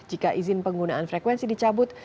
jika izin penggunaan frekuensi dicabut